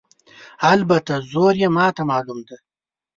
البته زور یې ماته معلوم دی.